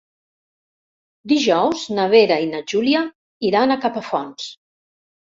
Dijous na Vera i na Júlia iran a Capafonts.